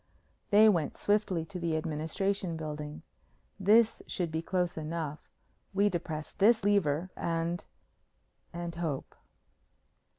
They went swiftly to the Administration Building. "This should be close enough. We depress this lever and and hope."